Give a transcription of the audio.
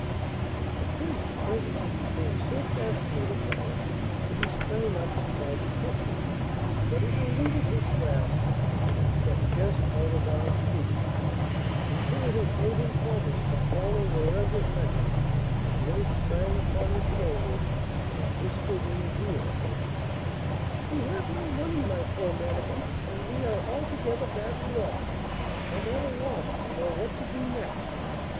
The Prince presently became so fascinated by it that he sprang up and tried to catch it, but it eluded his grasp and kept just out of arm's reach, until it had made him promise to follow wherever it led him, and then it sprang upon his shoulder and whispered in his ear: 'We have no money, my poor Mannikin, and we are altogether badly off, and at a loss to know what to do next.